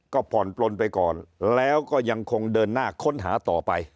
ก็ผ่อนปลนไปก่อนแล้วก็ยังคงเดินหน้าค้นหาต่อไป